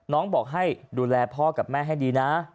บอกให้ดูแลพ่อกับแม่ให้ดีนะ